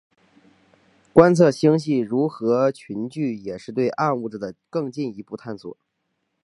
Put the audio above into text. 观测星系如何群聚也是对暗物质的更进一步探索。